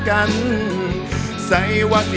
ขอบคุณมาก